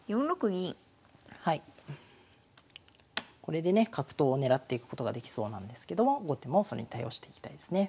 これでね角頭を狙っていくことができそうなんですけども後手もそれに対応していきたいですね。